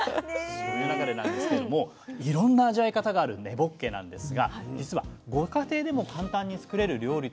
そういう中でなんですけれどもいろんな味わい方がある根ぼっけなんですが実はご家庭でも簡単に作れる料理というのがあるんです。